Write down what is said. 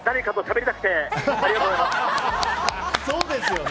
そうですよね！